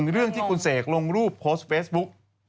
รูปโพสต์เฟซบุ๊ค